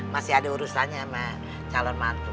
masih ada urusannya sama calon mantu